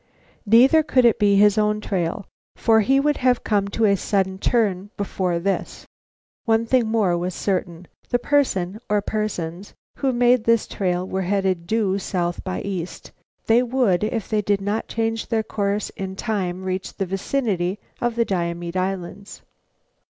Neither could it be his own trail, for he would have come to a sudden turn before this. One thing more was certain: The person or persons who made this trail were headed due south by east. They would, if they did not change their course, in time reach the vicinity of the Diomede Islands.